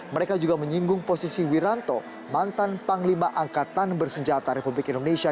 mereka juga menyinggung posisi wiranto mantan panglima angkatan bersenjata republik indonesia